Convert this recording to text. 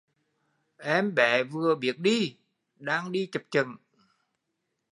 Em bé vừa biết đi đang đi chập chững